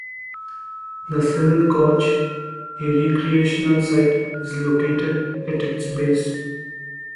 The Sill Gorge, a recreational site, is located at its base.